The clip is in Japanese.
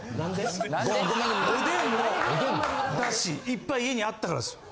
いっぱい家にあったからですよ。